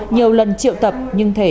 nhiều lần triệu tập nhưng thể